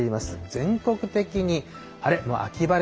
全国的に晴れ。